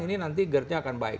ini nanti gerdnya akan baik